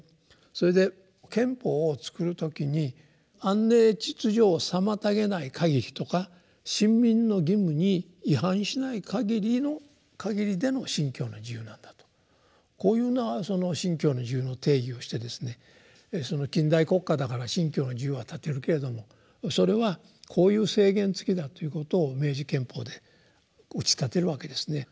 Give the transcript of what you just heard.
それで憲法を作る時に「安寧秩序を妨げない限り」とか「臣民の義務に違反しない限りでの信教の自由」なんだとこういうような信教の自由の定義をしてですね近代国家だから信教の自由は立てるけれどもそれはこういう制限付きだということを明治憲法で打ち立てるわけですね。